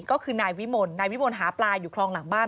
ก็คือนายวิมลนายวิมลหาปลาอยู่คลองหลังบ้าน